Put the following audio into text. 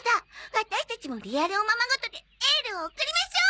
ワタシたちもリアルおままごとでエールを送りましょう！